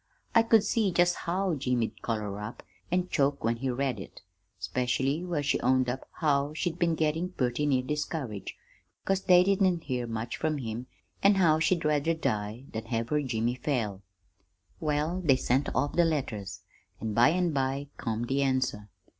I could see just how Jimmy'd color up an' choke when he read it, specially where she owned up how she'd been gettin' purty near discouraged 'cause they didn't hear much from him, an' how she'd rather die than have her Jimmy fail. "Well, they sent off the letters, an' by an' by come the answer.